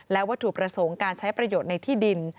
และวัตถุประสงค์การใช้ประโยชน์ในที่ดิน